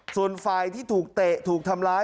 ส่วนฝ่ายที่ถูกเตะถูกทำร้าย